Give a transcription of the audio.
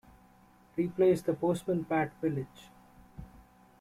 Replaced the Postman Pat Village.